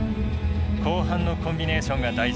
「後半のコンビネーションが大事。